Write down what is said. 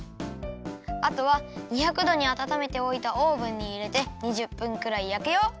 あとは２００どにあたためておいたオーブンにいれて２０分くらい焼くよ！